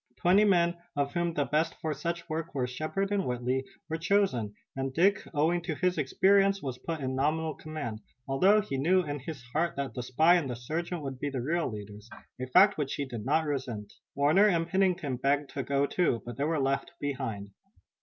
Twenty men, of whom the best for such work were Shepard and Whitley, were chosen, and Dick, owing to his experience, was put in nominal command, although he knew in his heart that the spy and the sergeant would be the real leaders, a fact which he did not resent. Warner and Pennington begged to go too, but they were left behind.